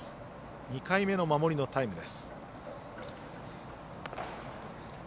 ２回目の守りのタイムです。